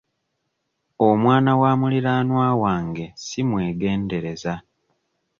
Omwana wa muliraanwa wange simwegendereza.